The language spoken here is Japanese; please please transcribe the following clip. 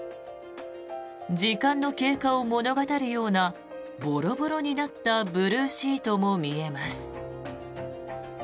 時間の経過を物語るようなボロボロになったブルーシートも見えます。